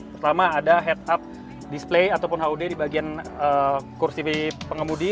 pertama ada head up display ataupun hud di bagian kursi pengemudi